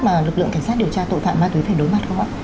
mà lực lượng cảnh sát điều tra tội phạm ma túy phải đối mặt không ạ